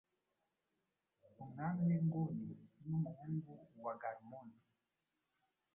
Umwami winguninumuhungu wa Garmundi